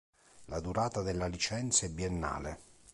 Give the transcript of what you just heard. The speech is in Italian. La durata della licenza è biennale.